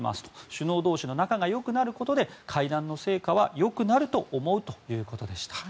首脳同士の仲がよくなることで会談の成果はよくなると思うということでした。